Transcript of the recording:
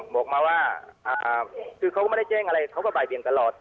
บอกมาว่าคือเขาก็ไม่ได้แจ้งอะไรเขาก็บ่ายเบียงตลอด